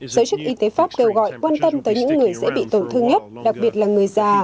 giới chức y tế pháp kêu gọi quan tâm tới những người dễ bị tổn thương nhất đặc biệt là người già